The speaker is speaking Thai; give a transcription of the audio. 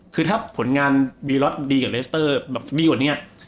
คือถ้าผลงานบีล็อตดีกับเลสเตอร์แบบดีกว่านี้